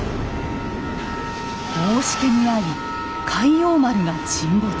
大しけに遭い「開陽丸」が沈没。